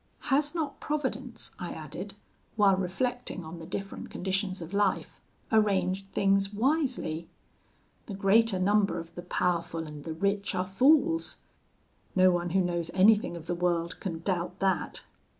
"'Has not Providence,' I added, while reflecting on the different conditions of life, 'arranged things wisely?' The greater number of the powerful and the rich are fools. No one who knows anything of the world can doubt that.